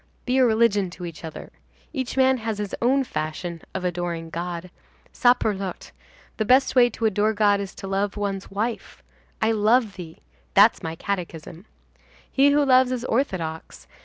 Be a religion to each other. Each man has his own fashion of adoring God. Saperlotte! the best way to adore God is to love one's wife. I love thee! that's my catechism. He who loves is orthodox.